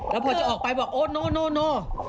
แล้วพวกจะออกไปบอกโอ้โนโนโน